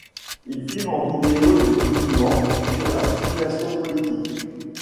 Il filme en vidéo des documents sur la situation politique.